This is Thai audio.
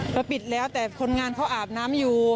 ปิดแล้วแต่คนงานเขาอาบน้ำอยู่